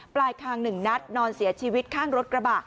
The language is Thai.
ปลายคาง๑นัดนอนเสียชีวิตข้างรถกระบะ